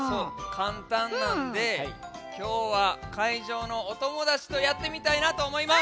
かんたんなんできょうはかいじょうのおともだちとやってみたいなとおもいます。